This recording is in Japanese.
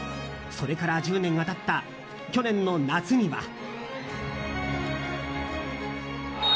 それから１０年が経った去年の夏には。